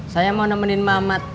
saya mau nemenin mamat